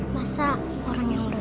masa orang yang udah